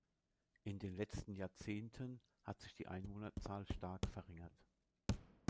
In den letzten Jahrzehnten hat sich die Einwohnerzahl stark verringert.